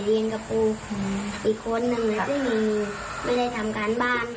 ที่กี่ครั้งละคะสามครั้ง